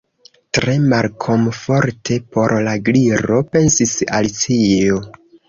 "Tre malkomforte por la Gliro," pensis Alicio.